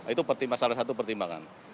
itu salah satu pertimbangan